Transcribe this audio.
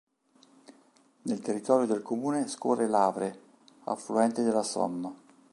Nel territorio del comune scorre l'Avre, affluente della Somme.